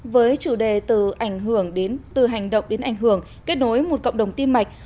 với chủ đề từ hành động đến ảnh hưởng kết nối một cộng đồng tiêm mạch